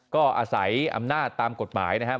ก็อาศัยอำนาจตามกฎหมายนะครับ